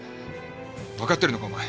分かってるのかお前！